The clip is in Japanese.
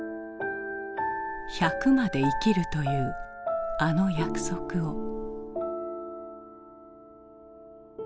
「百まで生きる」というあの約束を。